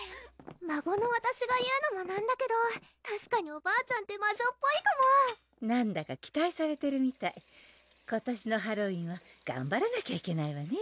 孫のわたしが言うのもなんだけどたしかにおばあちゃんって魔女っぽいかもなんだか期待されてるみたい今年のハロウィーンはがんばらなきゃいけないわね